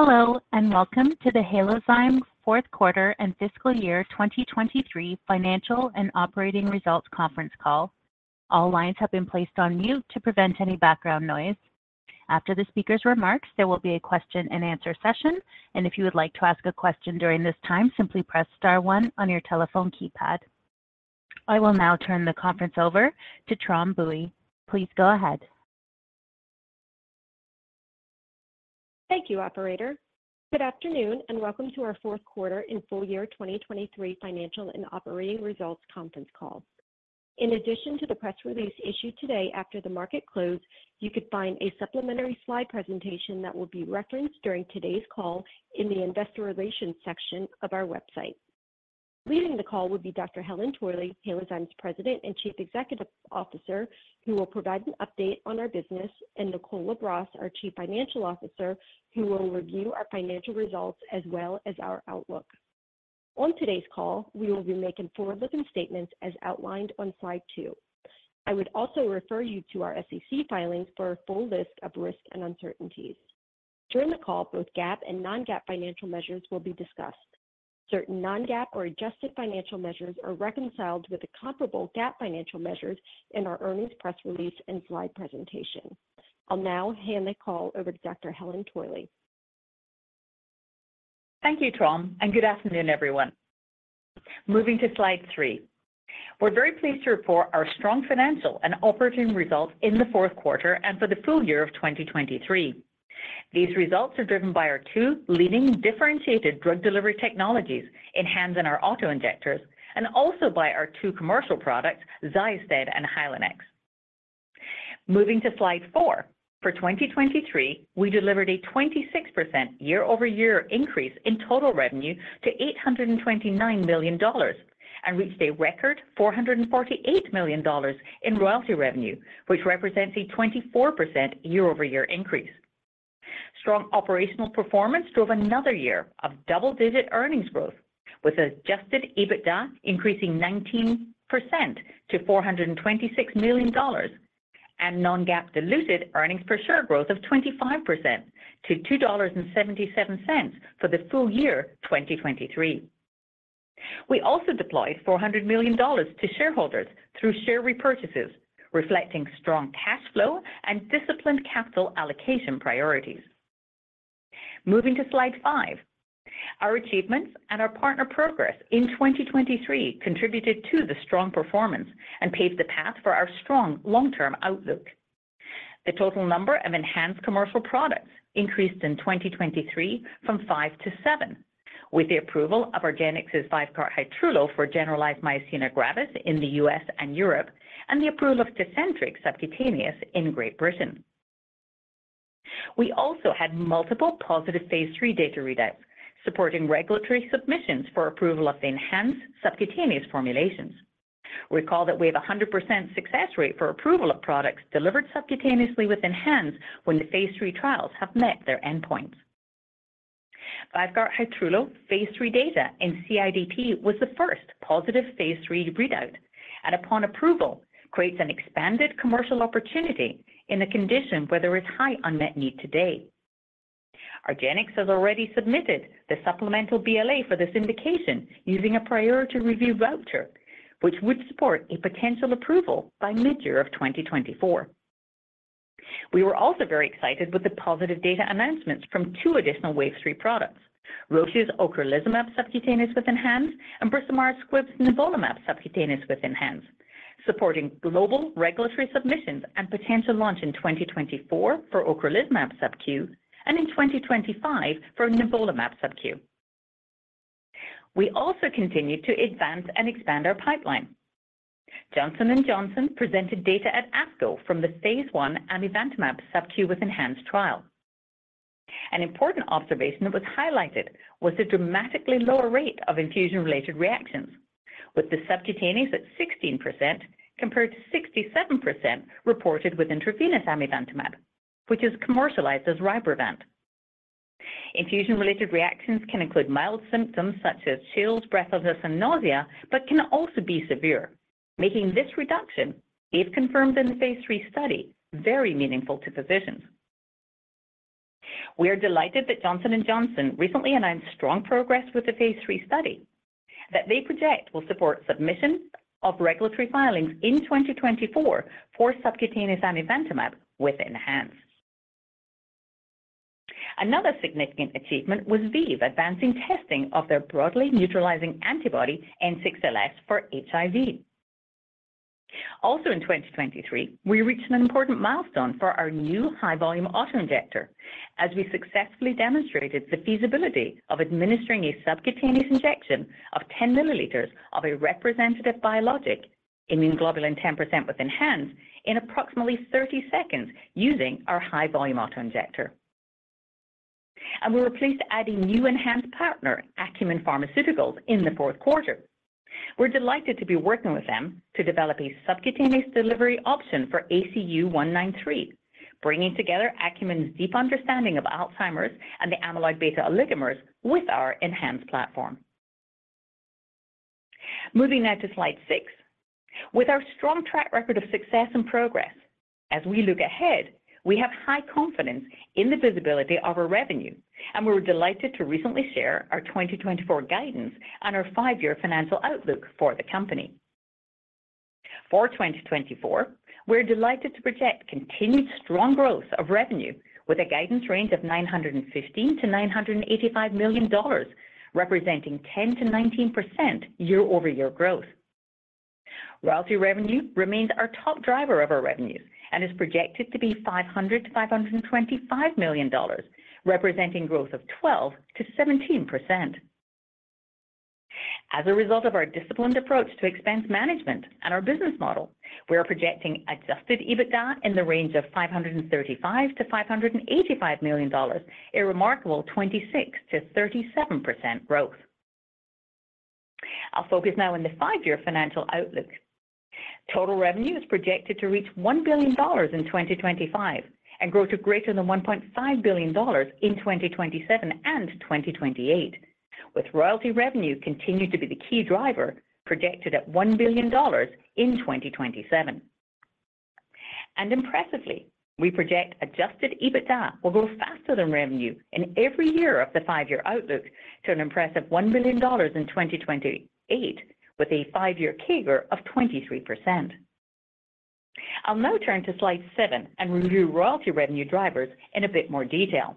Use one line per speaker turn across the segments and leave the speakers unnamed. Hello and welcome to the Halozyme fourth quarter and fiscal year 2023 financial and operating results conference call. All lines have been placed on mute to prevent any background noise. After the speaker's remarks, there will be a question-and-answer session, and if you would like to ask a question during this time, simply press star one on your telephone keypad. I will now turn the conference over to Tram Bui. Please go ahead.
Thank you, operator. Good afternoon and welcome to our fourth quarter and full year 2023 financial and operating results conference call. In addition to the press release issued today after the market close, you could find a supplementary slide presentation that will be referenced during today's call in the investor relations section of our website. Leading the call would be Dr. Helen Torley, Halozyme's President and Chief Executive Officer, who will provide an update on our business, and Nicole LaBrosse, our Chief Financial Officer, who will review our financial results as well as our outlook. On today's call, we will be making forward-looking statements as outlined on slide 2. I would also refer you to our SEC filings for a full list of risk and uncertainties. During the call, both GAAP and non-GAAP financial measures will be discussed. Certain non-GAAP or adjusted financial measures are reconciled with the comparable GAAP financial measures in our earnings press release and slide presentation. I'll now hand the call over to Dr. Helen Torley.
Thank you, Tram, and good afternoon, everyone. Moving to slide 3. We're very pleased to report our strong financial and operating results in the fourth quarter and for the full year of 2023. These results are driven by our two leading differentiated drug delivery technologies ENHANZE and our auto injectors, and also by our two commercial products, XYOSTED and Hylenex. Moving to slide 4. For 2023, we delivered a 26% year-over-year increase in total revenue to $829 million and reached a record $448 million in royalty revenue, which represents a 24% year-over-year increase. Strong operational performance drove another year of double-digit earnings growth, with Adjusted EBITDA increasing 19% to $426 million and non-GAAP diluted earnings per share growth of 25% to $2.77 for the full year 2023. We also deployed $400 million to shareholders through share repurchases, reflecting strong cash flow and disciplined capital allocation priorities. Moving to slide 5. Our achievements and our partner progress in 2023 contributed to the strong performance and paved the path for our strong long-term outlook. The total number of ENHANZE commercial products increased in 2023 from five to seven, with the approval of argenx's VYVGART HYTRULO for generalized myasthenia gravis in the U.S. and Europe, and the approval of Tecentriq subcutaneous in Great Britain. We also had multiple positive phase III data readouts, supporting regulatory submissions for approval of the ENHANZE subcutaneous formulations. Recall that we have a 100% success rate for approval of products delivered subcutaneously with ENHANZE when the phase III trials have met their endpoints. VYVGART HYTRULO phase III data in CIDP was the first positive phase III readout, and upon approval, creates an expanded commercial opportunity in a condition where there is high unmet need today. argenx has already submitted the supplemental BLA for this indication using a priority review voucher, which would support a potential approval by mid-year of 2024. We were also very excited with the positive data announcements from two additional phase III products, Roche's ocrelizumab subcutaneous with ENHANZE and Bristol-Myers Squibb's nivolumab subcutaneous with ENHANZE, supporting global regulatory submissions and potential launch in 2024 for ocrelizumab sub-Q and in 2025 for nivolumab sub-Q. We also continued to advance and expand our pipeline. Johnson & Johnson presented data at ASCO from the phase I amivantamab sub-Q with ENHANZE trial. An important observation that was highlighted was the dramatically lower rate of infusion-related reactions, with the subcutaneous at 16% compared to 67% reported with intravenous amivantamab, which is commercialized as RYBREVANT. Infusion-related reactions can include mild symptoms such as chills, breathlessness, and nausea, but can also be severe, making this reduction, if confirmed in the phase III study, very meaningful to physicians. We are delighted that Johnson recently announced strong progress with the phase III study, that they project will support submission of regulatory filings in 2024 for subcutaneous amivantamab with ENHANZE. Another significant achievement was ViiV advancing testing of their broadly neutralizing antibody N6LS for HIV. Also in 2023, we reached an important milestone for our new high-volume auto injector, as we successfully demonstrated the feasibility of administering a subcutaneous injection of 10 ml of a representative biologic immunoglobulin 10% with ENHANZE in approximately 30 seconds using our high-volume auto injector. We were pleased to add a new ENHANZE partner, Acumen Pharmaceuticals, in the fourth quarter. We're delighted to be working with them to develop a subcutaneous delivery option for ACU193, bringing together Acumen's deep understanding of Alzheimer's and the amyloid beta oligomers with our enhanced platform. Moving now to slide 6. With our strong track record of success and progress, as we look ahead, we have high confidence in the visibility of our revenue, and we were delighted to recently share our 2024 guidance on our five-year financial outlook for the company. For 2024, we're delighted to project continued strong growth of revenue with a guidance range of $915 million-$985 million, representing 10%-19% year-over-year growth. Royalty revenue remains our top driver of our revenues and is projected to be $500 million-$525 million, representing growth of 12%-17%. As a result of our disciplined approach to expense management and our business model, we are projecting Adjusted EBITDA in the range of $535 million-$585 million, a remarkable 26%-37% growth. I'll focus now on the five-year financial outlook. Total revenue is projected to reach $1 billion in 2025 and grow to greater than $1.5 billion+ in 2027 and 2028, with royalty revenue continued to be the key driver projected at $1 billion in 2027. Impressively, we project Adjusted EBITDA will grow faster than revenue in every year of the five-year outlook to an impressive $1 billion in 2028, with a five-year CAGR of 23%. I'll now turn to slide 7 and review royalty revenue drivers in a bit more detail.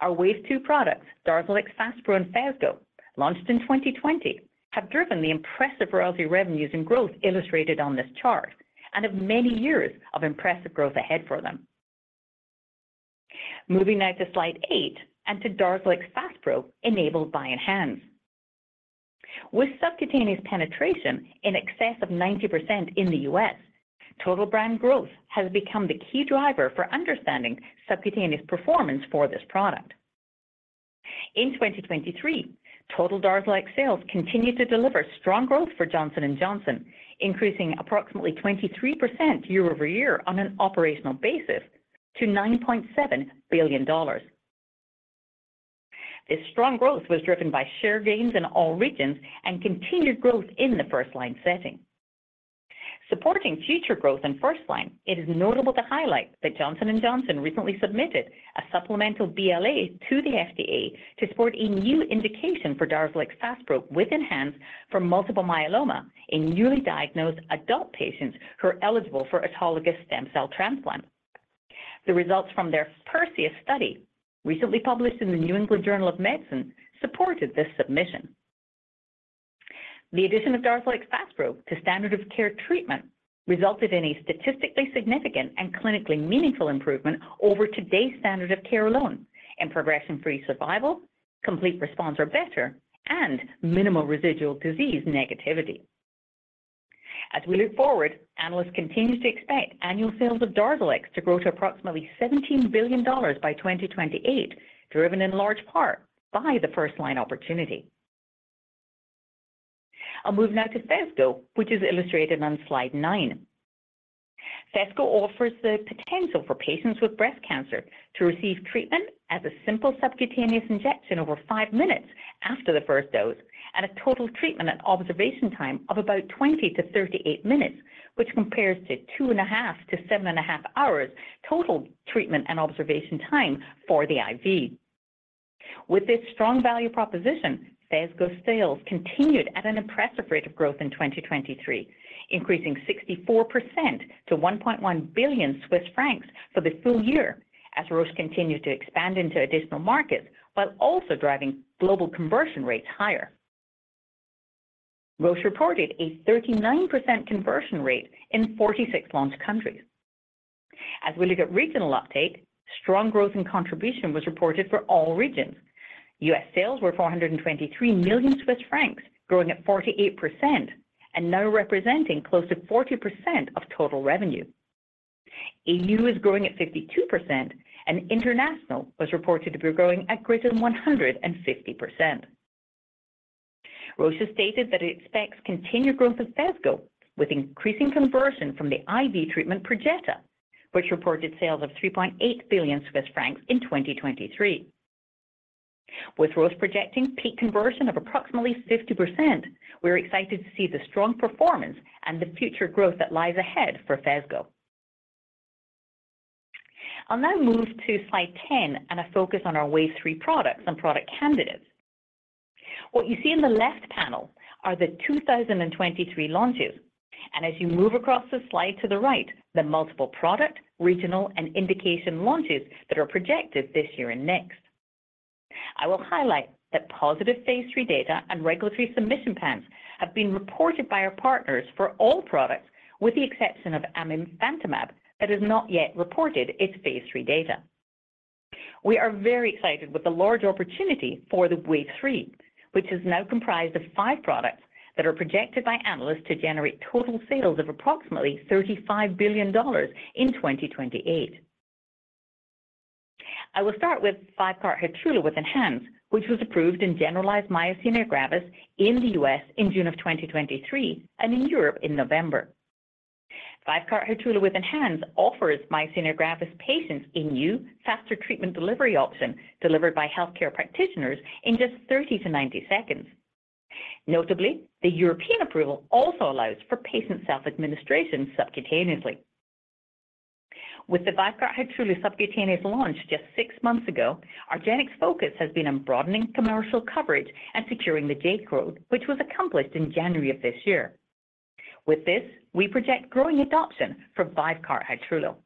Our wave two products, DARZALEX FASPRO and Phesgo, launched in 2020, have driven the impressive royalty revenues and growth illustrated on this chart and have many years of impressive growth ahead for them. Moving now to slide 8 and to DARZALEX FASPRO enabled by ENHANZE. With subcutaneous penetration in excess of 90% in the U.S., total brand growth has become the key driver for understanding subcutaneous performance for this product. In 2023, total DARZALEX sales continued to deliver strong growth for Johnson & Johnson, increasing approximately 23% year-over-year on an operational basis to $9.7 billion. This strong growth was driven by share gains in all regions and continued growth in the first line setting. Supporting future growth in first line, it is notable to highlight that Johnson & Johnson recently submitted a supplemental BLA to the FDA to support a new indication for DARZALEX FASPRO with ENHANZE for multiple myeloma in newly diagnosed adult patients who are eligible for autologous stem cell transplant. The results from their PERSEUS study, recently published in the New England Journal of Medicine, supported this submission. The addition of DARZALEX FASPRO to standard of care treatment resulted in a statistically significant and clinically meaningful improvement over today's standard of care alone in progression-free survival, complete response or better, and minimal residual disease negativity. As we look forward, analysts continue to expect annual sales of DARZALEX to grow to approximately $17 billion by 2028, driven in large part by the first line opportunity. I'll move now to Phesgo, which is illustrated on slide 9. Phesgo offers the potential for patients with breast cancer to receive treatment as a simple subcutaneous injection over 5 minutes after the first dose and a total treatment and observation time of about 20-38 minutes, which compares to 2.5 to 7.5 hours total treatment and observation time for the IV. With this strong value proposition, Phesgo's sales continued at an impressive rate of growth in 2023, increasing 64% to 1.1 billion Swiss francs for the full year as Roche continued to expand into additional markets while also driving global conversion rates higher. Roche reported a 39% conversion rate in 46 launch countries. As we look at regional uptake, strong growth and contribution was reported for all regions. U.S. sales were 423 million Swiss francs, growing at 48% and now representing close to 40% of total revenue. EU is growing at 52%, and international was reported to be growing at greater than 150%. Roche stated that it expects continued growth of Phesgo with increasing conversion from the IV treatment PERJETA, which reported sales of 3.8 billion Swiss francs in 2023. With Roche projecting peak conversion of approximately 50%, we are excited to see the strong performance and the future growth that lies ahead for Phesgo. I'll now move to slide 10 and a focus on our wave three products and product candidates. What you see in the left panel are the 2023 launches, and as you move across the slide to the right, the multiple product, regional, and indication launches that are projected this year and next. I will highlight that positive phase III data and regulatory submission plans have been reported by our partners for all products, with the exception of amivantamab that has not yet reported its phase III data. We are very excited with the large opportunity for the wave three, which is now comprised of five products that are projected by analysts to generate total sales of approximately $35 billion in 2028. I will start with VYVGART HYTRULO with ENHANZE, which was approved in generalized myasthenia gravis in the U.S. in June of 2023 and in Europe in November. VYVGART HYTRULO with ENHANZE offers myasthenia gravis patients a new faster treatment delivery option delivered by healthcare practitioners in just 30 to 90 seconds. Notably, the European approval also allows for patient self-administration subcutaneously. With the VYVGART HYTRULO subcutaneous launch just six months ago, argenx's focus has been on broadening commercial coverage and securing the J-code, which was accomplished in January of this year. With this, we project growing adoption for VYVGART HYTRULO.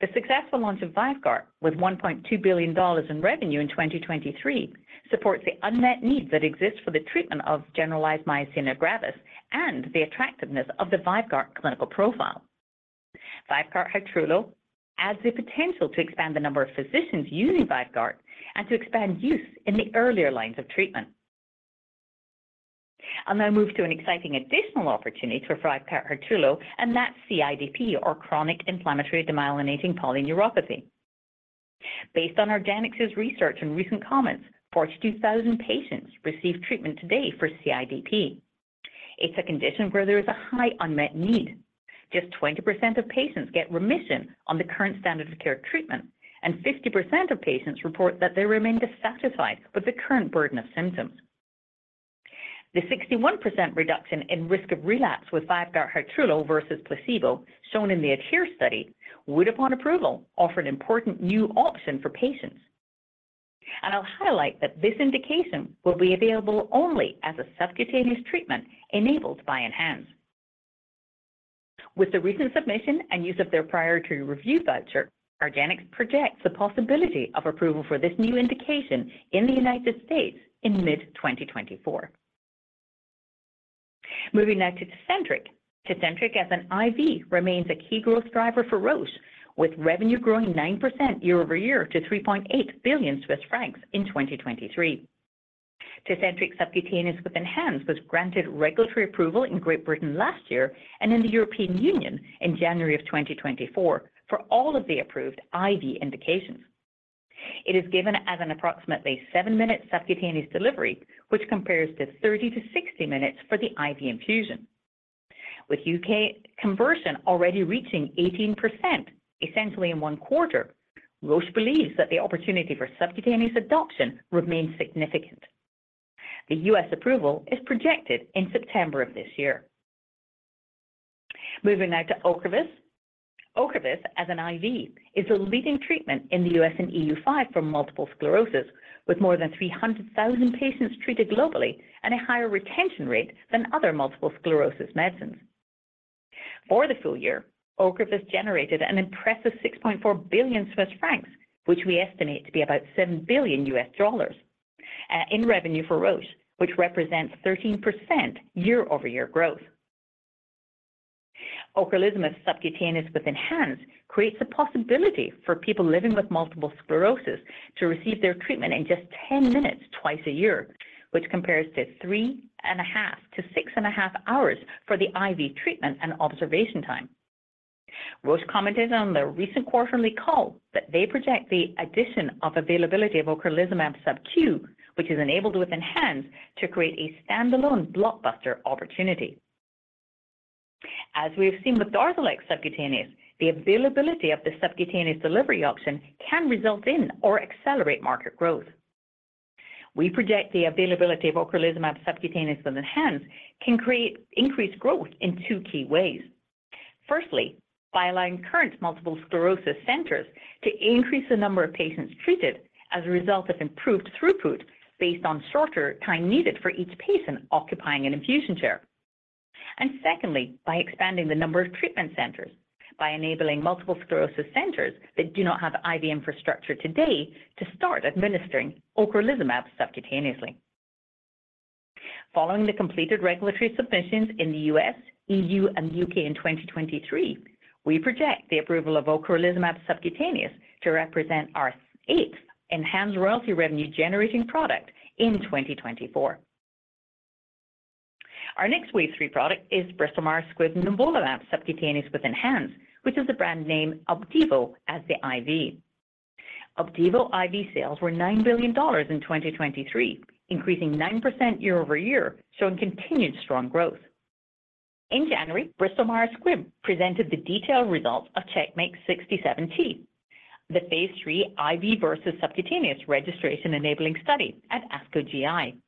The successful launch of VYVGART with $1.2 billion in revenue in 2023 supports the unmet needs that exist for the treatment of generalized myasthenia gravis and the attractiveness of the VYVGART clinical profile. VYVGART HYTRULO adds the potential to expand the number of physicians using VYVGART and to expand use in the earlier lines of treatment. I'll now move to an exciting additional opportunity for VYVGART HYTRULO, and that's CIDP or chronic inflammatory demyelinating polyneuropathy. Based on argenx's research and recent comments, 42,000 patients receive treatment today for CIDP. It's a condition where there is a high unmet need. Just 20% of patients get remission on the current standard of care treatment, and 50% of patients report that they remain dissatisfied with the current burden of symptoms. The 61% reduction in risk of relapse with VYVGART HYTRULO versus placebo shown in the ADHERE study would, upon approval, offer an important new option for patients. I'll highlight that this indication will be available only as a subcutaneous treatment enabled by ENHANZE. With the recent submission and use of their priority review voucher, argenx projects the possibility of approval for this new indication in the United States in mid-2024. Moving now to Tecentriq. Tecentriq, as an IV, remains a key growth driver for Roche, with revenue growing 9% year-over-year to 3.8 billion Swiss francs in 2023. Tecentriq subcutaneous with ENHANZE was granted regulatory approval in Great Britain last year and in the European Union in January of 2024 for all of the approved IV indications. It is given as an approximately seven-minute subcutaneous delivery, which compares to 30 to 60 minutes for the IV infusion. With U.K. conversion already reaching 18%, essentially in one quarter, Roche believes that the opportunity for subcutaneous adoption remains significant. The U.S. approval is projected in September of this year. Moving now to OCREVUS. OCREVUS, as an IV, is the leading treatment in the U.S. and EU5 for multiple sclerosis, with more than 300,000 patients treated globally and a higher retention rate than other multiple sclerosis medicines. For the full year, OCREVUS generated an impressive 6.4 billion Swiss francs, which we estimate to be about $7 billion, in revenue for Roche, which represents 13% year-over-year growth. OCREVUS subcutaneous with ENHANZE creates a possibility for people living with multiple sclerosis to receive their treatment in just 10 minutes twice a year, which compares to 3.5 to 6.5 hours for the IV treatment and observation time. Roche commented on their recent quarterly call that they project the addition of availability of OCREVUS subQ, which is enabled with ENHANZE, to create a standalone blockbuster opportunity. As we have seen with DARZALEX subcutaneous, the availability of the subcutaneous delivery option can result in or accelerate market growth. We project the availability of ocrelizumab subcutaneous with ENHANZE can create increased growth in two key ways. Firstly, by allowing current multiple sclerosis centers to increase the number of patients treated as a result of improved throughput based on shorter time needed for each patient occupying an infusion chair. Secondly, by expanding the number of treatment centers, by enabling multiple sclerosis centers that do not have IV infrastructure today to start administering ocrelizumab subcutaneously. Following the completed regulatory submissions in the U.S., EU, and U.K. in 2023, we project the approval of ocrelizumab subcutaneous to represent our eighth ENHANZE royalty revenue generating product in 2024. Our next wave three product is Bristol-Myers Squibb nivolumab subcutaneous with ENHANZE, which is the brand name Opdivo as the IV. Opdivo IV sales were $9 billion in 2023, increasing 9% year-over-year, showing continued strong growth. In January, Bristol-Myers Squibb presented the detailed results of Checkmate 67T, the phase III IV versus subcutaneous registration enabling study at ASCO GI.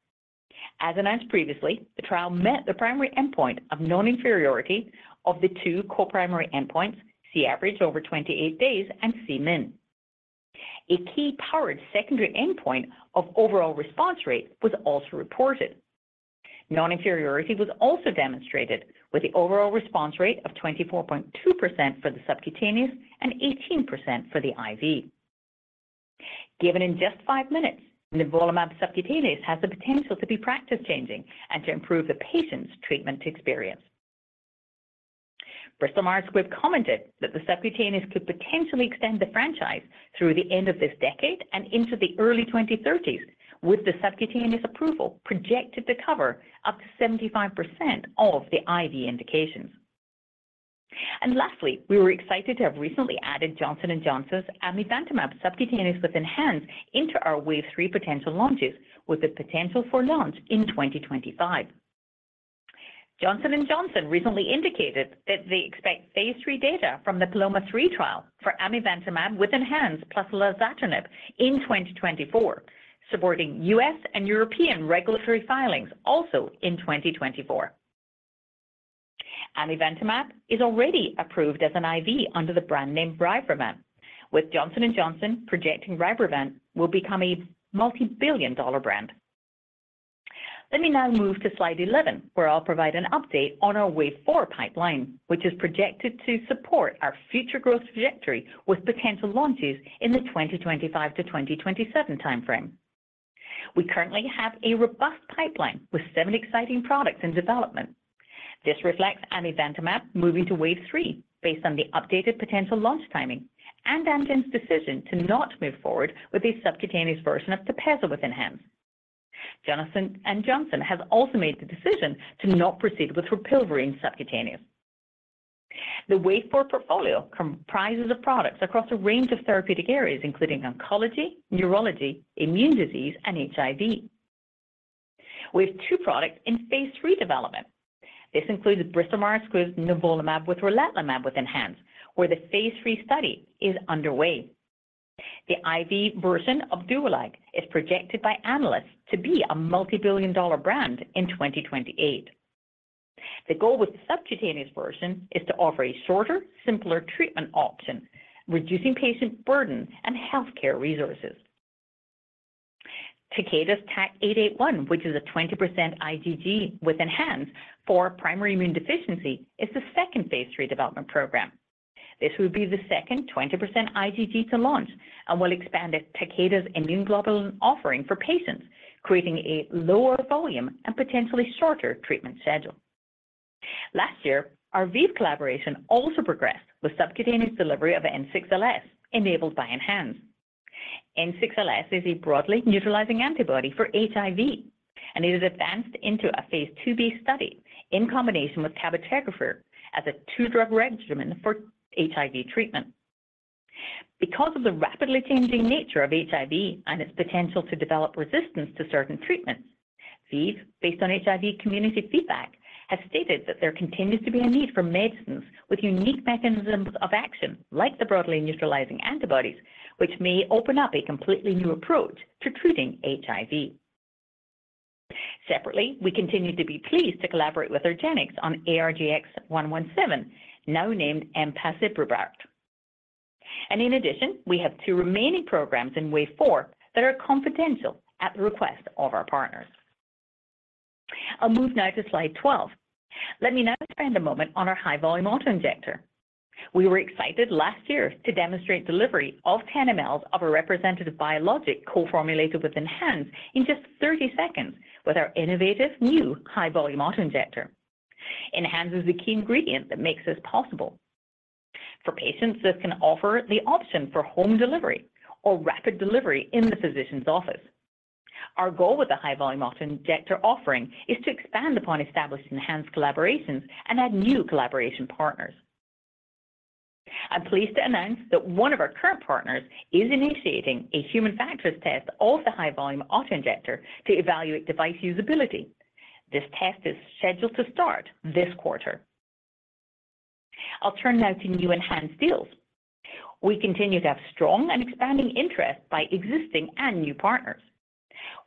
As announced previously, the trial met the primary endpoint of non-inferiority of the two co-primary endpoints, C average over 28 days and C min. A key powered secondary endpoint of overall response rate was also reported. Non-inferiority was also demonstrated with the overall response rate of 24.2% for the subcutaneous and 18% for the IV. Given in just five minutes, nivolumab subcutaneous has the potential to be practice changing and to improve the patient's treatment experience. Bristol-Myers Squibb commented that the subcutaneous could potentially extend the franchise through the end of this decade and into the early 2030s, with the subcutaneous approval projected to cover up to 75% of the IV indications. Lastly, we were excited to have recently added Johnson & Johnson's amivantamab subcutaneous with ENHANZE into our wave three potential launches, with the potential for launch in 2025. Johnson & Johnson recently indicated that they expect phase III data from the MARIPOSA trial for amivantamab with ENHANZE plus lazertinib in 2024, supporting U.S. and European regulatory filings also in 2024. amivantamab is already approved as an IV under the brand name RYBREVANT, with Johnson & Johnson projecting RYBREVANT will become a multibillion-dollar brand. Let me now move to slide 11, where I'll provide an update on our wave four pipeline, which is projected to support our future growth trajectory with potential launches in the 2025 to 2027 timeframe. We currently have a robust pipeline with seven exciting products in development. This reflects amivantamab moving to wave three based on the updated potential launch timing and Amgen's decision to not move forward with a subcutaneous version of TEPEZZA with ENHANZE. Johnson & Johnson have also made the decision to not proceed with approving subcutaneous. The wave four portfolio comprises products across a range of therapeutic areas, including oncology, neurology, immune disease, and HIV. We have two products in phase III development. This includes Bristol-Myers Squibb nivolumab with relatlimab with ENHANZE, where the phase III study is underway. The IV version of Opdualag is projected by analysts to be a multibillion-dollar brand in 2028. The goal with the subcutaneous version is to offer a shorter, simpler treatment option, reducing patient burden and healthcare resources. Takeda's TAK-881, which is a 20% IgG with ENHANZE for primary immune deficiency, is the second phase III development program. This would be the second 20% IgG to launch and will expand Takeda's immune globulin offering for patients, creating a lower volume and potentially shorter treatment schedule. Last year, our ViiV collaboration also progressed with subcutaneous delivery of N6LS enabled by ENHANZE. N6LS is a broadly neutralizing antibody for HIV, and it is advanced into a phase IIb study in combination with cabotegravir as a two-drug regimen for HIV treatment. Because of the rapidly changing nature of HIV and its potential to develop resistance to certain treatments, ViiV, based on HIV community feedback, has stated that there continues to be a need for medicines with unique mechanisms of action like the broadly neutralizing antibodies, which may open up a completely new approach to treating HIV. Separately, we continue to be pleased to collaborate with argenx on ARGX-117, now named empasiprubart. In addition, we have two remaining programs in wave four that are confidential at the request of our partners. I'll move now to slide 12. Let me now spend a moment on our high-volume autoinjector. We were excited last year to demonstrate delivery of 10 mL of a representative biologic co-formulated with ENHANZE in just 30 seconds with our innovative new high-volume autoinjector. ENHANZE is the key ingredient that makes this possible. For patients, this can offer the option for home delivery or rapid delivery in the physician's office. Our goal with the high-volume autoinjector offering is to expand upon established enhanced collaborations and add new collaboration partners. I'm pleased to announce that one of our current partners is initiating a Human Factors Test of the high-volume autoinjector to evaluate device usability. This test is scheduled to start this quarter. I'll turn now to new enhanced deals. We continue to have strong and expanding interest by existing and new partners.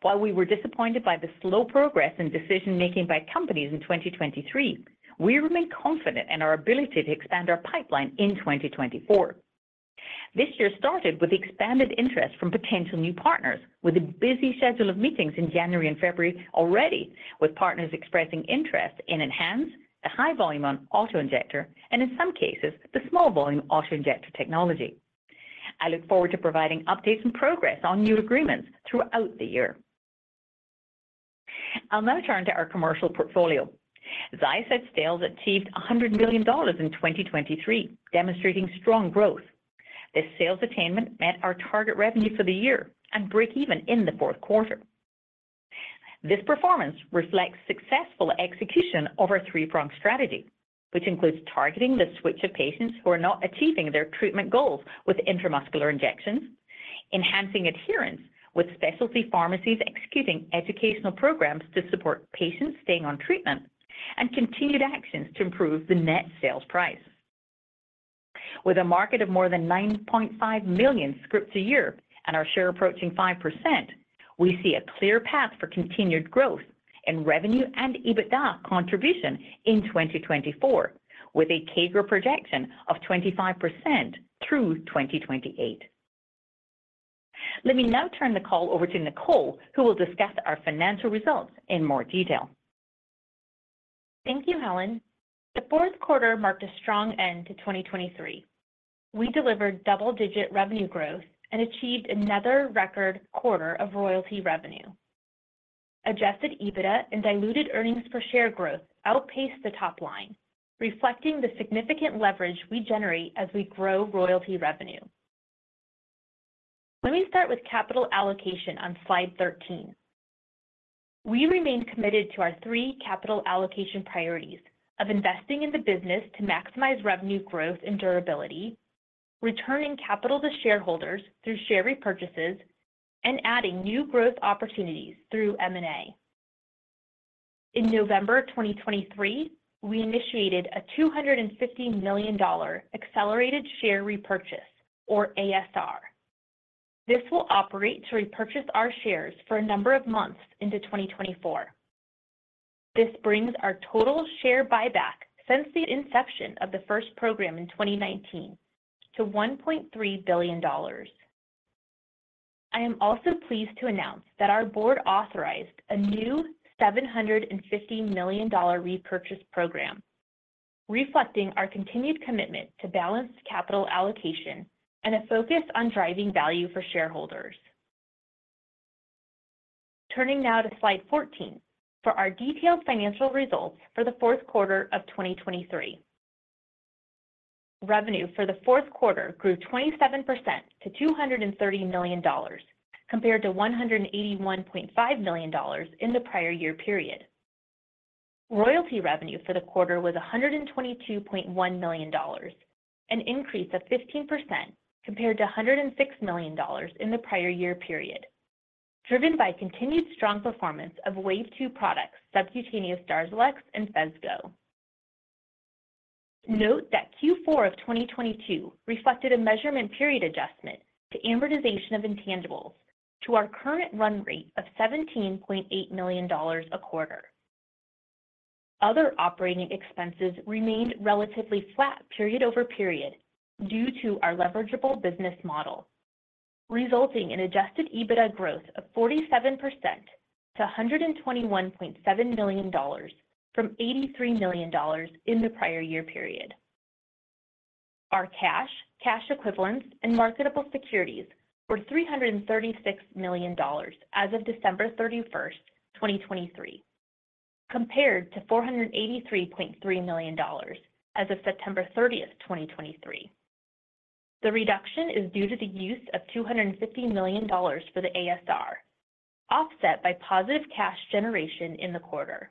While we were disappointed by the slow progress in decision making by companies in 2023, we remain confident in our ability to expand our pipeline in 2024. This year started with expanded interest from potential new partners with a busy schedule of meetings in January and February already, with partners expressing interest in ENHANZE, the high-volume autoinjector, and in some cases, the small-volume autoinjector technology. I look forward to providing updates and progress on new agreements throughout the year. I'll now turn to our commercial portfolio. XYOSTED sales achieved $100 million in 2023, demonstrating strong growth. This sales attainment met our target revenue for the year and break even in the fourth quarter. This performance reflects successful execution of our three-pronged strategy, which includes targeting the switch of patients who are not achieving their treatment goals with intramuscular injections, enhancing adherence with specialty pharmacies executing educational programs to support patients staying on treatment, and continued actions to improve the net sales price. With a market of more than 9.5 million scripts a year and our share approaching 5%, we see a clear path for continued growth in revenue and EBITDA contribution in 2024, with a CAGR projection of 25% through 2028. Let me now turn the call over to Nicole, who will discuss our financial results in more detail.
Thank you, Helen. The fourth quarter marked a strong end to 2023. We delivered double-digit revenue growth and achieved another record quarter of royalty revenue. Adjusted EBITDA and diluted earnings per share growth outpaced the top line, reflecting the significant leverage we generate as we grow royalty revenue. Let me start with capital allocation on slide 13. We remain committed to our three capital allocation priorities of investing in the business to maximize revenue growth and durability, returning capital to shareholders through share repurchases, and adding new growth opportunities through M&A. In November 2023, we initiated a $250 million Accelerated Share Repurchase, or ASR. This will operate to repurchase our shares for a number of months into 2024. This brings our total share buyback since the inception of the first program in 2019 to $1.3 billion. I am also pleased to announce that our board authorized a new $750 million repurchase program, reflecting our continued commitment to balanced capital allocation and a focus on driving value for shareholders. Turning now to slide 14 for our detailed financial results for the fourth quarter of 2023. Revenue for the fourth quarter grew 27% to $230 million, compared to $181.5 million in the prior year period. Royalty revenue for the quarter was $122.1 million, an increase of 15% compared to $106 million in the prior year period, driven by continued strong performance of wave two products, subcutaneous DARZALEX and Phesgo. Note that Q4 of 2022 reflected a measurement period adjustment to amortization of intangibles to our current run rate of $17.8 million a quarter. Other operating expenses remained relatively flat period over period due to our leverageable business model, resulting in Adjusted EBITDA growth of 47% to $121.7 million from $83 million in the prior year period. Our cash, cash equivalents, and marketable securities were $336 million as of December 31st, 2023, compared to $483.3 million as of September 30th, 2023. The reduction is due to the use of $250 million for the ASR, offset by positive cash generation in the quarter.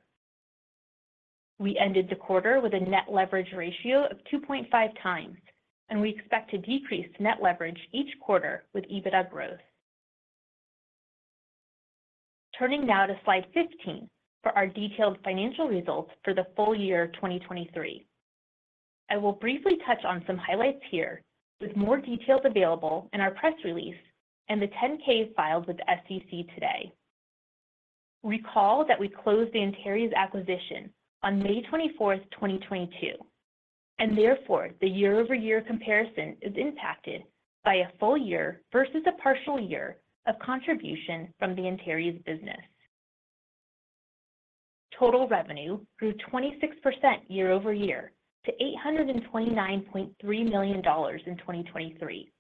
We ended the quarter with a net leverage ratio of 2.5x, and we expect to decrease net leverage each quarter with EBITDA growth. Turning now to slide 15 for our detailed financial results for the full year 2023. I will briefly touch on some highlights here with more details available in our press release and the 10-K filed with SEC today. Recall that we closed the Antares acquisition on May 24th, 2022, and therefore, the year-over-year comparison is impacted by a full year versus a partial year of contribution from the Antares business. Total revenue grew 26% year-over-year to $829.3 million in 2023,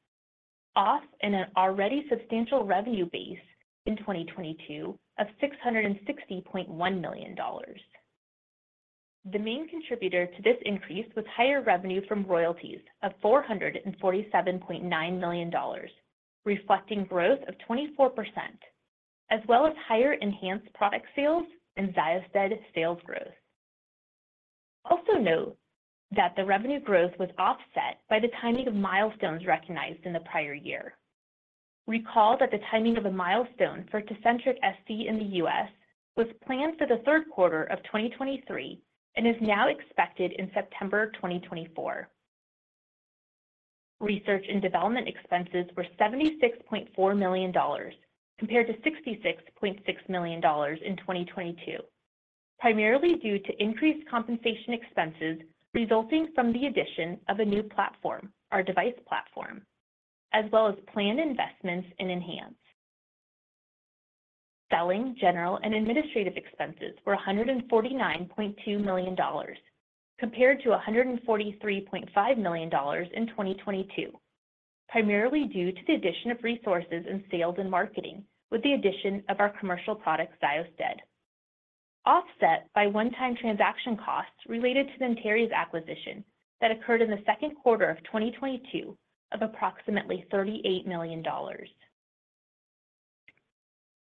off an already substantial revenue base in 2022 of $660.1 million. The main contributor to this increase was higher revenue from royalties of $447.9 million, reflecting growth of 24%, as well as higher enhanced product sales and XYOSTED sales growth. Also note that the revenue growth was offset by the timing of milestones recognized in the prior year. Recall that the timing of a milestone for Tecentriq SC in the U.S. was planned for the third quarter of 2023 and is now expected in September 2024. Research and development expenses were $76.4 million compared to $66.6 million in 2022, primarily due to increased compensation expenses resulting from the addition of a new platform, our device platform, as well as planned investments in ENHANZE. Selling, general, and administrative expenses were $149.2 million compared to $143.5 million in 2022, primarily due to the addition of resources and sales and marketing with the addition of our commercial product, XYOSTED, offset by one-time transaction costs related to the Antares acquisition that occurred in the second quarter of 2022 of approximately $38 million.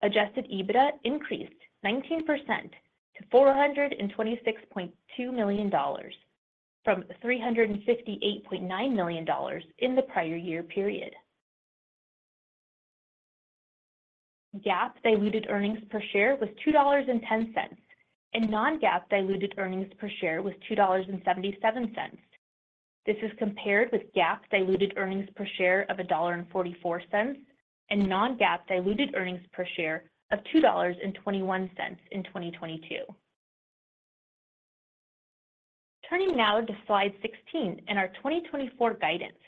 Adjusted EBITDA increased 19% to $426.2 million from $358.9 million in the prior year period. GAAP diluted earnings per share was $2.10, and non-GAAP diluted earnings per share was $2.77. This is compared with GAAP diluted earnings per share of $1.44 and non-GAAP diluted earnings per share of $2.21 in 2022. Turning now to slide 16 in our 2024 guidance.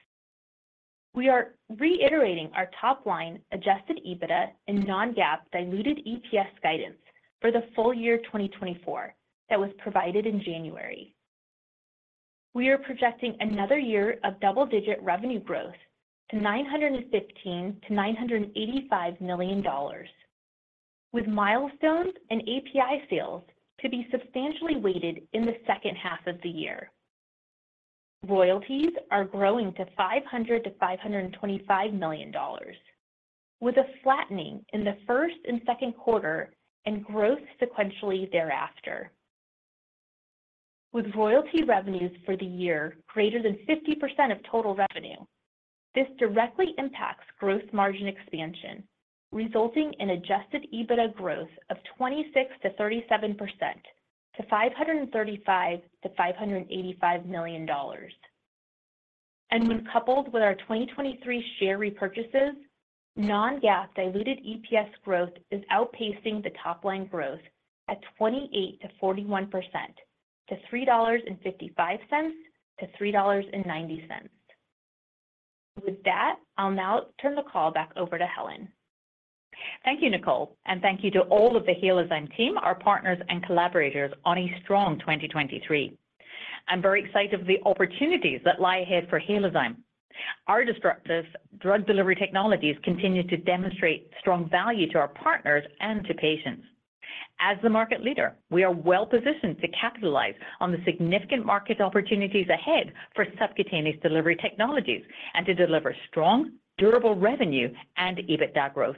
We are reiterating our top line Adjusted EBITDA and non-GAAP diluted EPS guidance for the full year 2024 that was provided in January. We are projecting another year of double-digit revenue growth to $915 million-$985 million, with milestones and API sales to be substantially weighted in the second half of the year. Royalties are growing to $500 million-$525 million, with a flattening in the first and second quarter and growth sequentially thereafter. With royalty revenues for the year greater than 50% of total revenue, this directly impacts gross margin expansion, resulting in Adjusted EBITDA growth of 26%-37% to $535 millon-$585 million. When coupled with our 2023 share repurchases, non-GAAP diluted EPS growth is outpacing the top line growth at 28%-41% to $3.55-$3.90. With that, I'll now turn the call back over to Helen.
Thank you, Nicole, and thank you to all of the Halozyme team, our partners, and collaborators on a strong 2023. I'm very excited for the opportunities that lie ahead for Halozyme. Our disruptive drug delivery technologies continue to demonstrate strong value to our partners and to patients. As the market leader, we are well positioned to capitalize on the significant market opportunities ahead for subcutaneous delivery technologies and to deliver strong, durable revenue and EBITDA growth.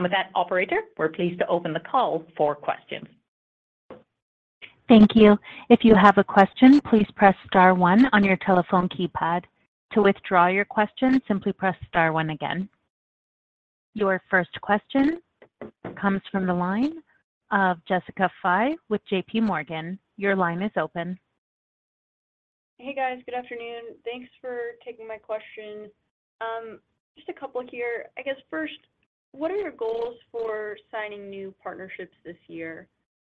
With that, operator, we're pleased to open the call for questions.
Thank you. If you have a question, please press star one on your telephone keypad. To withdraw your question, simply press star one again. Your first question comes from the line of Jessica Fye with JPMorgan. Your line is open.
Hey, guys. Good afternoon. Thanks for taking my question. Just a couple here. I guess first, what are your goals for signing new partnerships this year?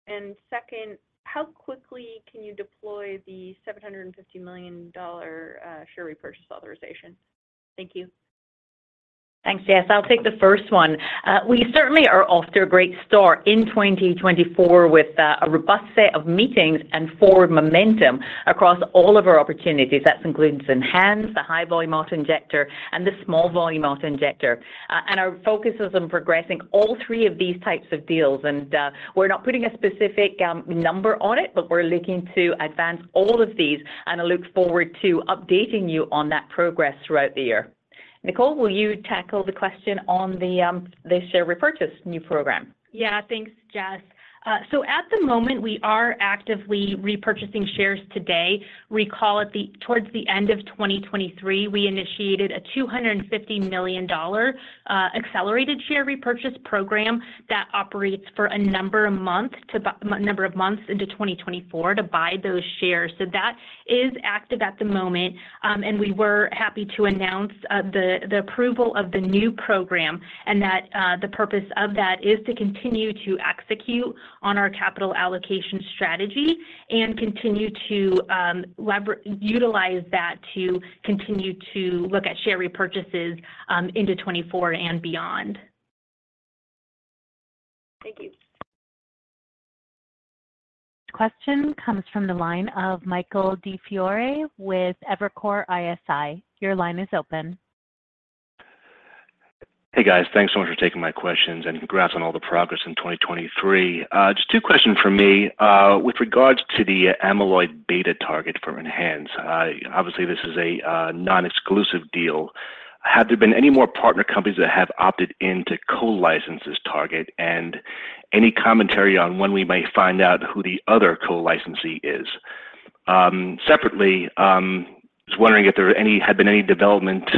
And second, how quickly can you deploy the $750 million share repurchase authorization? Thank you.
Thanks, Jess. I'll take the first one. We certainly are off to a great start in 2024 with a robust set of meetings and forward momentum across all of our opportunities. That includes ENHANZE, the high-volume autoinjector, and the small-volume autoinjector. Our focus is on progressing all three of these types of deals. We're not putting a specific number on it, but we're looking to advance all of these and look forward to updating you on that progress throughout the year. Nicole, will you tackle the question on this share repurchase new program?
Yeah, thanks, Jess. So at the moment, we are actively repurchasing shares today. Recall, towards the end of 2023, we initiated a $250 million accelerated share repurchase program that operates for a number of months into 2024 to buy those shares. So that is active at the moment. And we were happy to announce the approval of the new program, and the purpose of that is to continue to execute on our capital allocation strategy and continue to utilize that to continue to look at share repurchases into 2024 and beyond.
Thank you.
Question comes from the line of Michael DiFiore with Evercore ISI. Your line is open.
Hey, guys. Thanks so much for taking my questions, and congrats on all the progress in 2023. Just two questions from me. With regards to the amyloid beta target for ENHANZE, obviously, this is a non-exclusive deal. Have there been any more partner companies that have opted into co-license this target, and any commentary on when we might find out who the other co-licensee is? Separately, I was wondering if there had been any development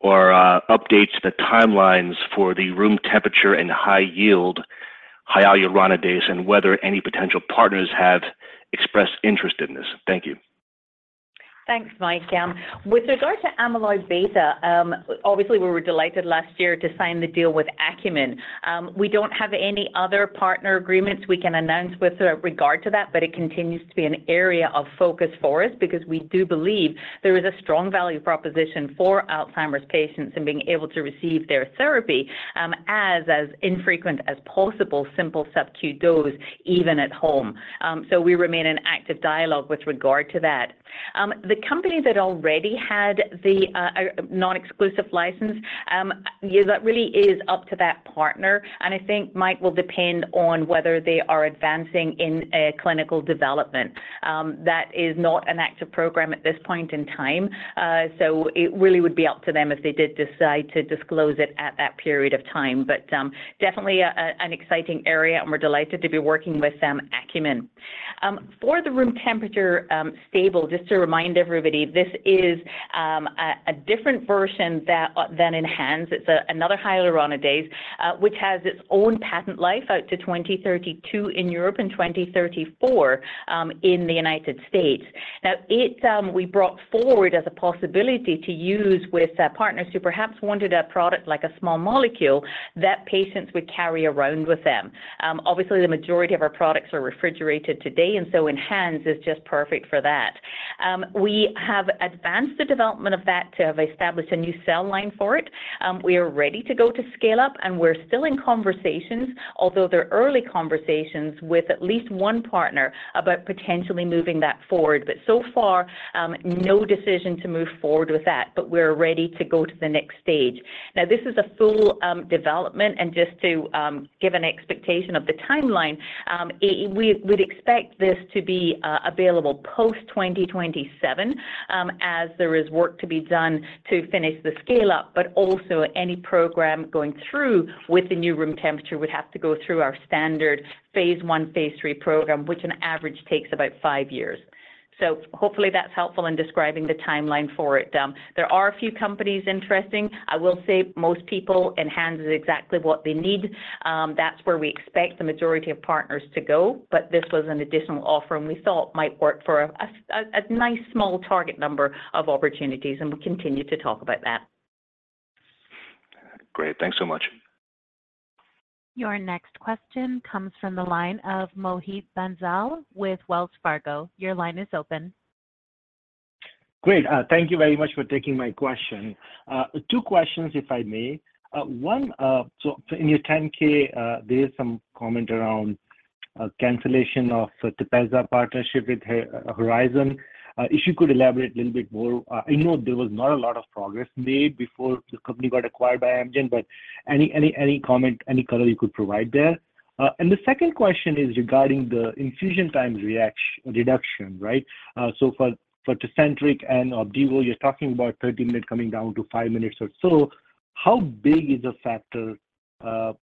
or updates to the timelines for the room temperature and high yield, hyaluronidase, and whether any potential partners have expressed interest in this. Thank you.
Thanks, Mike. With regard to amyloid beta, obviously, we were delighted last year to sign the deal with Acumen. We don't have any other partner agreements we can announce with regard to that, but it continues to be an area of focus for us because we do believe there is a strong value proposition for Alzheimer's patients in being able to receive their therapy as infrequent as possible, simple subcu dose, even at home. So we remain in active dialogue with regard to that. The company that already had the non-exclusive license, that really is up to that partner. And I think, Mike, will depend on whether they are advancing in clinical development. That is not an active program at this point in time. So it really would be up to them if they did decide to disclose it at that period of time. But definitely an exciting area, and we're delighted to be working with Acumen. For the room temperature stable, just to remind everybody, this is a different version than ENHANZE. It's another hyaluronidase, which has its own patent life out to 2032 in Europe and 2034 in the United States. Now, we brought forward as a possibility to use with partners who perhaps wanted a product like a small molecule that patients would carry around with them. Obviously, the majority of our products are refrigerated today, and so ENHANZE is just perfect for that. We have advanced the development of that to have established a new cell line for it. We are ready to go to scale up, and we're still in conversations, although they're early conversations with at least one partner about potentially moving that forward. But so far, no decision to move forward with that, but we're ready to go to the next stage. Now, this is a full development. And just to give an expectation of the timeline, we'd expect this to be available post-2027 as there is work to be done to finish the scale up, but also any program going through with the new room temperature would have to go through our standard phase I, phase III program, which on average takes about five years. So hopefully, that's helpful in describing the timeline for it. There are a few companies interesting. I will say most people, ENHANZE is exactly what they need. That's where we expect the majority of partners to go. But this was an additional offer, and we thought might work for a nice small target number of opportunities, and we continue to talk about that.
Great. Thanks so much.
Your next question comes from the line of Mohit Bansal with Wells Fargo. Your line is open.
Great. Thank you very much for taking my question. Two questions, if I may. One, so in your 10-K, there is some comment around cancellation of the TEPEZZA partnership with Horizon. If you could elaborate a little bit more. I know there was not a lot of progress made before the company got acquired by Amgen, but any comment, any color you could provide there. And the second question is regarding the infusion time reduction, right? So for Tecentriq and OPDIVO, you're talking about 30 minutes coming down to 5 minutes or so. How big is a factor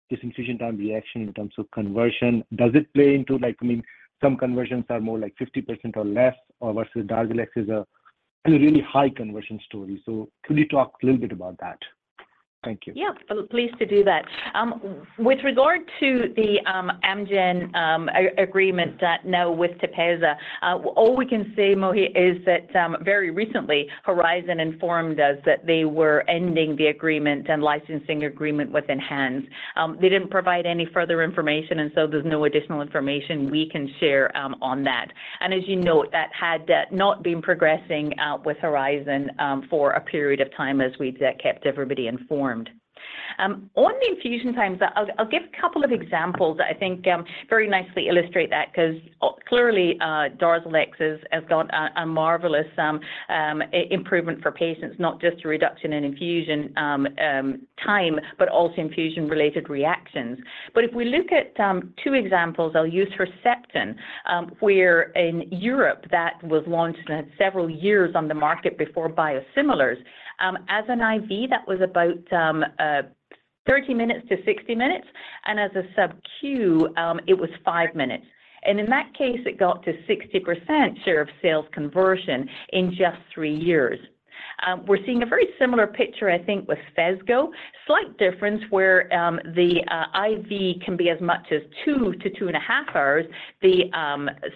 this infusion time reaction in terms of conversion? Does it play into I mean, some conversions are more like 50% or less versus DARZALEX is a really high conversion story. So could you talk a little bit about that? Thank you.
Yeah, pleased to do that. With regard to the Amgen agreement now with TEPEZZA, all we can say, Mohit, is that very recently, Horizon informed us that they were ending the agreement and licensing agreement with ENHANZE. They didn't provide any further information, and so there's no additional information we can share on that. And as you note, that had not been progressing with Horizon for a period of time as we kept everybody informed. On the infusion times, I'll give a couple of examples that I think very nicely illustrate that because clearly, DARZALEX has got a marvelous improvement for patients, not just reduction in infusion time, but also infusion-related reactions. But if we look at two examples, I'll use Herceptin, where in Europe, that was launched and had several years on the market before biosimilars. As an IV, that was about 30 to 60 minutes. As a subcu, it was five minutes. In that case, it got to 60% share of sales conversion in just three years. We're seeing a very similar picture, I think, with Phesgo. Slight difference where the IV can be as much as 2-2.5 hours. The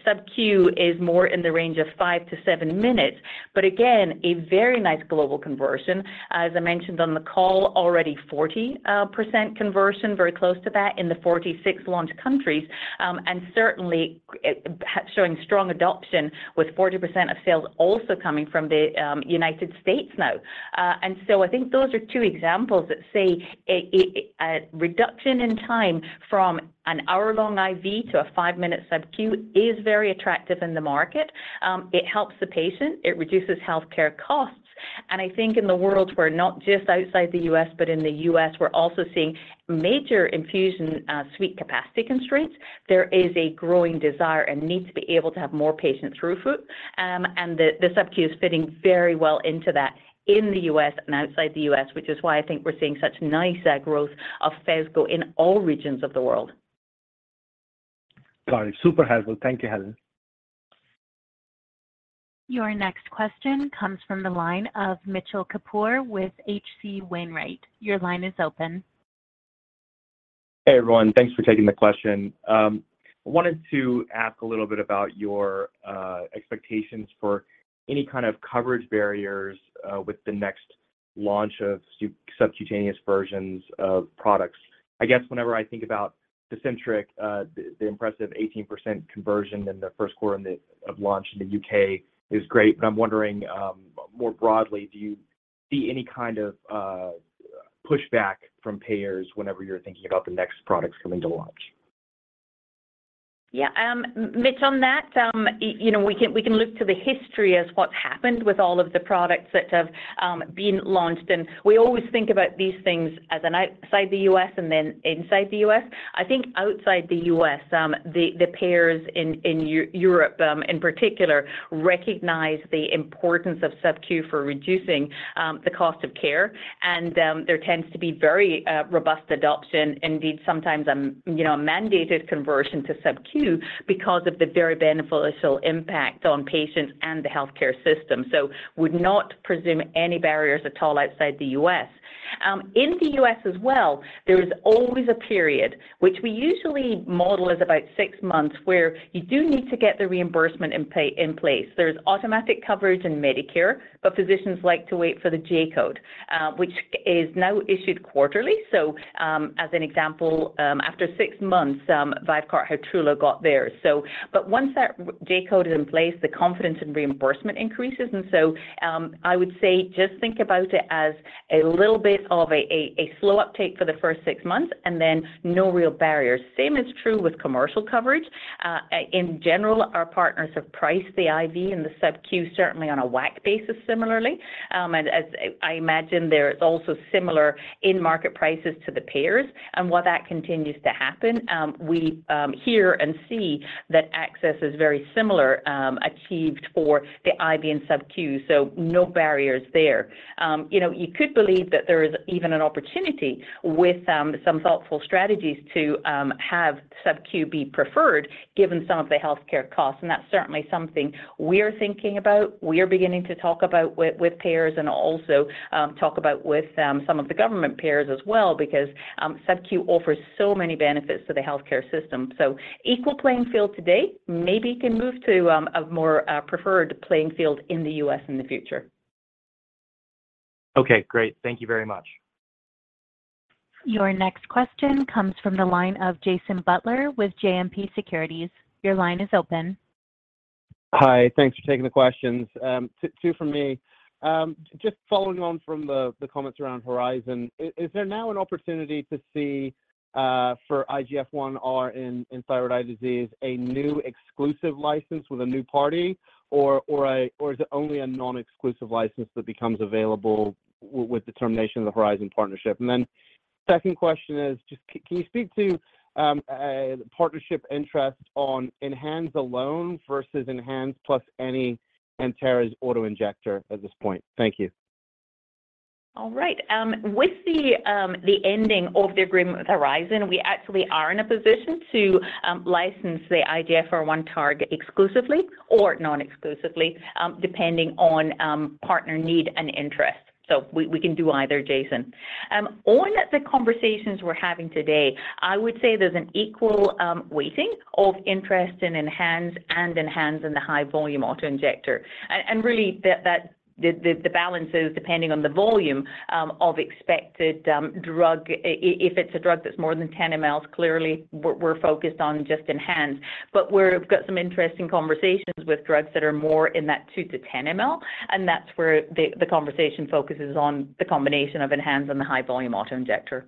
subcu is more in the range of five to seven minutes. But again, a very nice global conversion. As I mentioned on the call, already 40% conversion, very close to that, in the 46 launch countries, and certainly showing strong adoption with 40% of sales also coming from the United States now. And so I think those are two examples that say a reduction in time from an hour-long IV to a 5-minute subcu is very attractive in the market. It helps the patient. It reduces healthcare costs. I think in the world, we're not just outside the U.S., but in the U.S., we're also seeing major infusion suite capacity constraints. There is a growing desire and need to be able to have more patients throughput. The subcu is fitting very well into that in the U.S. and outside the U.S., which is why I think we're seeing such nice growth of Phesgo in all regions of the world.
Got it. Super helpful. Thank you, Helen.
Your next question comes from the line of Mitchell Kapoor with H.C. Wainwright. Your line is open.
Hey, everyone. Thanks for taking the question. I wanted to ask a little bit about your expectations for any kind of coverage barriers with the next launch of subcutaneous versions of products. I guess whenever I think about Tecentriq, the impressive 18% conversion in the first quarter of launch in the U.K. is great, but I'm wondering more broadly, do you see any kind of pushback from payers whenever you're thinking about the next products coming to launch?
Yeah. Mitch, on that, we can look to the history as what's happened with all of the products that have been launched. And we always think about these things as outside the U.S. and then inside the U.S. I think outside the U.S., the payers in Europe, in particular, recognize the importance of subcu for reducing the cost of care. And there tends to be very robust adoption. Indeed, sometimes a mandated conversion to subcu because of the very beneficial impact on patients and the healthcare system. So would not presume any barriers at all outside the U.S. In the U.S. as well, there is always a period, which we usually model as about six months, where you do need to get the reimbursement in place. There's automatic coverage in Medicare, but physicians like to wait for the J-code, which is now issued quarterly. So as an example, after six months, VYVGART HYTRULO got theirs. But once that J-code is in place, the confidence in reimbursement increases. And so I would say just think about it as a little bit of a slow uptake for the first six months and then no real barriers. Same is true with commercial coverage. In general, our partners have priced the IV and the subcu certainly on a WACC basis similarly. And I imagine there's also similar in-market prices to the payers. And while that continues to happen, we hear and see that access is very similar achieved for the IV and subcu. So no barriers there. You could believe that there is even an opportunity with some thoughtful strategies to have subcu be preferred given some of the healthcare costs. And that's certainly something we're thinking about. We're beginning to talk about with payers and also talk about with some of the government payers as well because subcu offers so many benefits to the healthcare system. So equal playing field today, maybe you can move to a more preferred playing field in the U.S. in the future.
Okay. Great. Thank you very much.
Your next question comes from the line of Jason Butler with JMP Securities. Your line is open.
Hi. Thanks for taking the questions. Two from me. Just following on from the comments around Horizon, is there now an opportunity to see for IGF-1R in thyroid eye disease a new exclusive license with a new party, or is it only a non-exclusive license that becomes available with the termination of the Horizon partnership? And then second question is, can you speak to partnership interest on ENHANZE alone versus ENHANZE plus any Antares auto-injector at this point? Thank you.
All right. With the ending of the agreement with Horizon, we actually are in a position to license the IGF-1 target exclusively or non-exclusively, depending on partner need and interest. So we can do either, Jason. On the conversations we're having today, I would say there's an equal weighting of interest in ENHANZE and the high-volume autoinjector. And really, the balance is depending on the volume of expected drug. If it's a drug that's more than 10 ml, clearly, we're focused on just ENHANZE. But we've got some interesting conversations with drugs that are more in that 2-10 ml, and that's where the conversation focuses on the combination of ENHANZE and the high-volume autoinjector.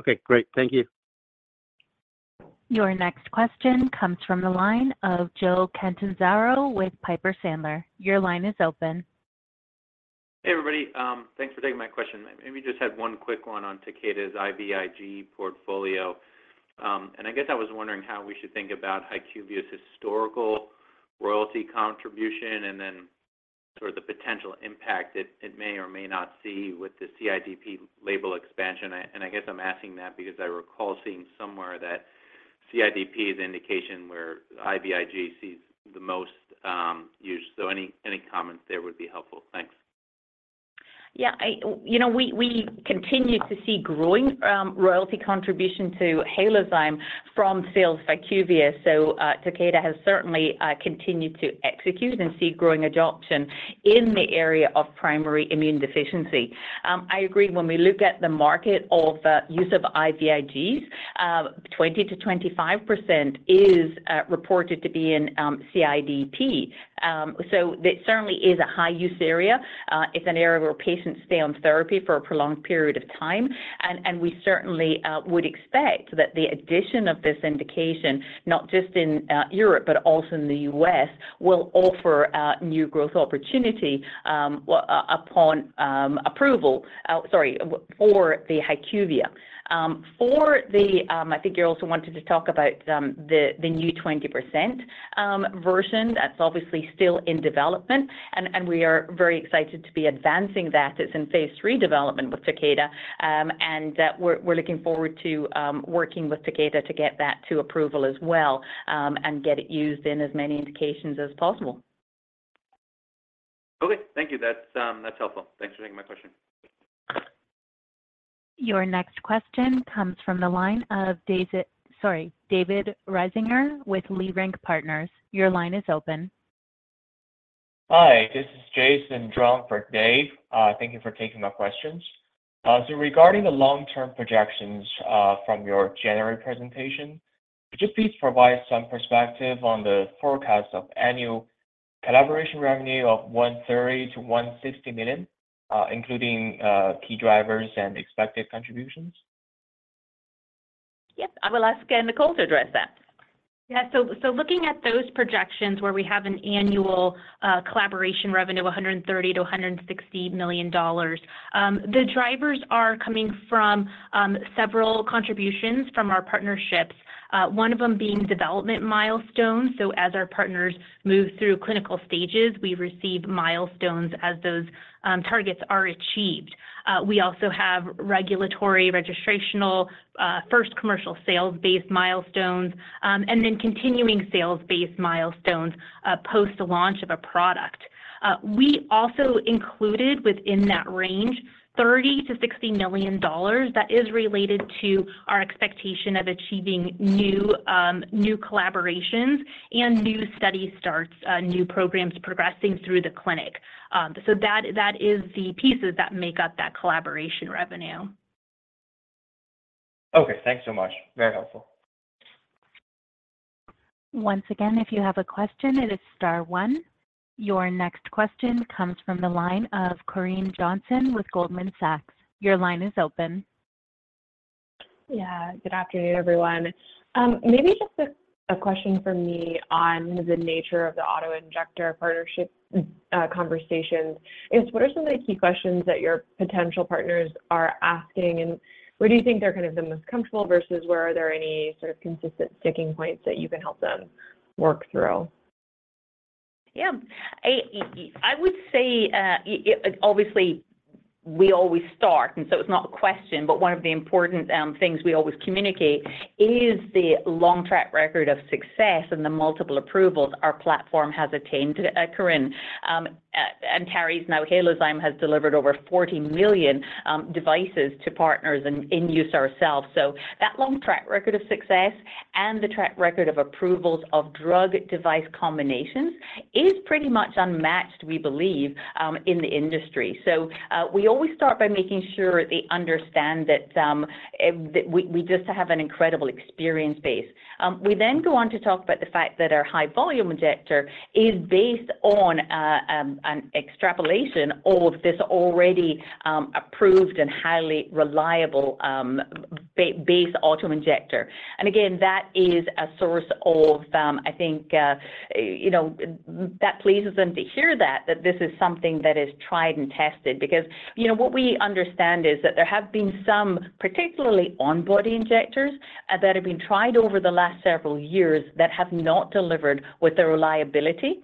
Okay. Great. Thank you.
Your next question comes from the line of Joe Catanzaro with Piper Sandler. Your line is open.
Hey, everybody. Thanks for taking my question. Maybe just had one quick one on Takeda's IVIG portfolio. And I guess I was wondering how we should think about HYQVIA's historical royalty contribution and then sort of the potential impact it may or may not see with the CIDP label expansion. And I guess I'm asking that because I recall seeing somewhere that CIDP is an indication where IVIG sees the most use. So any comments there would be helpful. Thanks.
Yeah. We continue to see growing royalty contribution to Halozyme from sales of HYQVIA. So Takeda has certainly continued to execute and see growing adoption in the area of primary immune deficiency. I agree when we look at the market of use of IVIGs, 20%-25% is reported to be in CIDP. So it certainly is a high-use area. It's an area where patients stay on therapy for a prolonged period of time. And we certainly would expect that the addition of this indication, not just in Europe, but also in the U.S., will offer new growth opportunity upon approval, sorry, for the HYQVIA. I think you also wanted to talk about the new 20% version. That's obviously still in development. And we are very excited to be advancing that. It's in phase III development with Takeda. We're looking forward to working with Takeda to get that to approval as well and get it used in as many indications as possible.
Okay. Thank you. That's helpful. Thanks for taking my question.
Your next question comes from the line of David Risinger with Leerink Partners. Your line is open.
Hi. This is Jason Zhuang for Dave. Thank you for taking my questions. So regarding the long-term projections from your January presentation, could you please provide some perspective on the forecast of annual collaboration revenue of $130 million-$160 million, including key drivers and expected contributions?
Yep. I will ask Nicole to address that.
Yeah. So looking at those projections where we have an annual collaboration revenue of $130 million-$160 million, the drivers are coming from several contributions from our partnerships, one of them being development milestones. So as our partners move through clinical stages, we receive milestones as those targets are achieved. We also have regulatory, registrational, first commercial sales-based milestones, and then continuing sales-based milestones post-launch of a product. We also included within that range $30 million-$60 million. That is related to our expectation of achieving new collaborations and new study starts, new programs progressing through the clinic. So that is the pieces that make up that collaboration revenue.
Okay. Thanks so much. Very helpful.
Once again, if you have a question, it is star one. Your next question comes from the line of Corinne Johnson with Goldman Sachs. Your line is open.
Yeah. Good afternoon, everyone. Maybe just a question for me on the nature of the autoinjector partnership conversations. What are some of the key questions that your potential partners are asking, and where do you think they're kind of the most comfortable versus where are there any sort of consistent sticking points that you can help them work through?
Yeah. I would say, obviously, we always start, and so it's not a question, but one of the important things we always communicate is the long-track record of success and the multiple approvals our platform has attained, Corinne. And Halozyme has delivered over 40 million devices to partners and in use ourselves. So that long-track record of success and the track record of approvals of drug-device combinations is pretty much unmatched, we believe, in the industry. So we always start by making sure they understand that we just have an incredible experience base. We then go on to talk about the fact that our high-volume injector is based on an extrapolation of this already approved and highly reliable base autoinjector. And again, that is a source of, I think, that pleases them to hear that, that this is something that is tried and tested because what we understand is that there have been some particularly on-body injectors that have been tried over the last several years that have not delivered with the reliability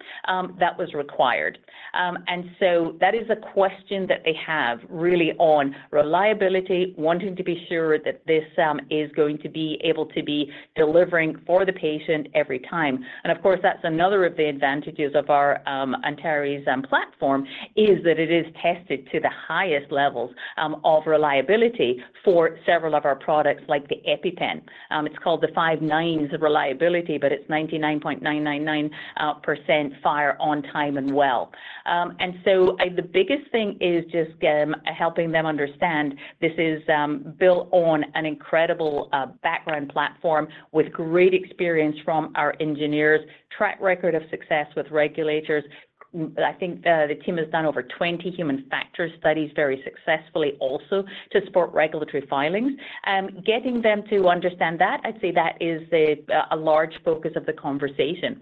that was required. And so that is a question that they have really on reliability, wanting to be sure that this is going to be able to be delivering for the patient every time. And of course, that's another of the advantages of our Antares' platform is that it is tested to the highest levels of reliability for several of our products like the EpiPen. It's called the five nines reliability, but it's 99.999% fire on time and well. And so the biggest thing is just helping them understand this is built on an incredible background platform with great experience from our engineers, track record of success with regulators. I think the team has done over 20 human factors studies very successfully also to support regulatory filings. Getting them to understand that, I'd say that is a large focus of the conversation.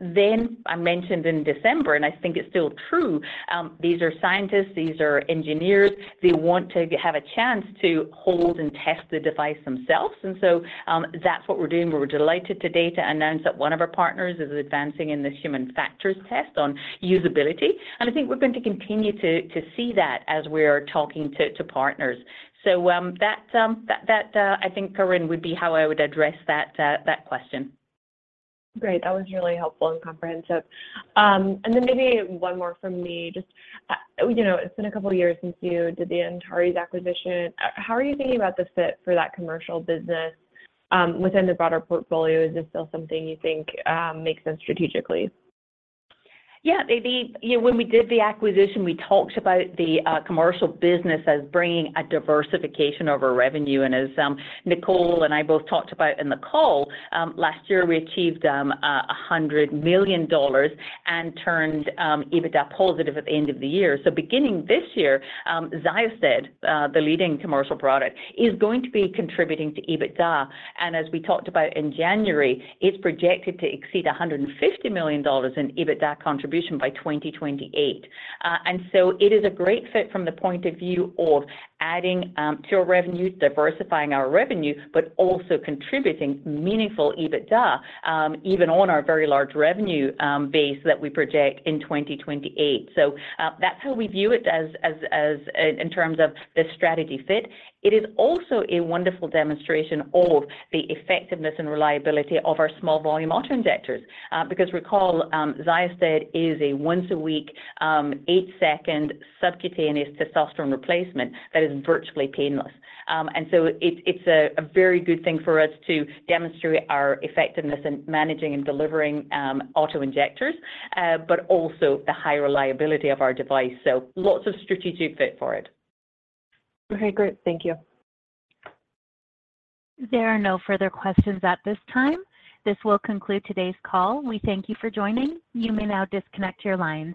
Then I mentioned in December, and I think it's still true, these are scientists, these are engineers. They want to have a chance to hold and test the device themselves. And so that's what we're doing. We're delighted to announce that one of our partners is advancing in this human factors test on usability. And I think we're going to continue to see that as we are talking to partners. So that, I think, Corinne, would be how I would address that question.
Great. That was really helpful and comprehensive. And then maybe one more from me. It's been a couple of years since you did the Antares acquisition. How are you thinking about the fit for that commercial business within the broader portfolio? Is this still something you think makes sense strategically?
Yeah. When we did the acquisition, we talked about the commercial business as bringing a diversification over revenue. And as Nicole and I both talked about in the call, last year, we achieved $100 million and turned EBITDA positive at the end of the year. So beginning this year, XYOSTED, the leading commercial product, is going to be contributing to EBITDA. And as we talked about in January, it's projected to exceed $150 million in EBITDA contribution by 2028. And so it is a great fit from the point of view of adding to our revenue, diversifying our revenue, but also contributing meaningful EBITDA even on our very large revenue base that we project in 2028. So that's how we view it in terms of the strategy fit. It is also a wonderful demonstration of the effectiveness and reliability of our small-volume autoinjectors because recall, XYOSTED is a once-a-week, eight-second subcutaneous testosterone replacement that is virtually painless. And so it's a very good thing for us to demonstrate our effectiveness in managing and delivering autoinjectors, but also the high reliability of our device. So lots of strategic fit for it.
Okay. Great. Thank you.
There are no further questions at this time. This will conclude today's call. We thank you for joining. You may now disconnect your lines.